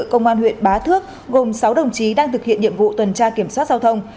công an huyện bá thước gồm sáu đồng chí đang thực hiện nhiệm vụ tuần tra kiểm soát giao thông